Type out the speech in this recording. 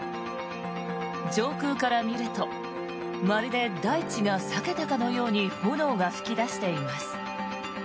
上空から見るとまるで大地が裂けたかのように炎が噴き出しています。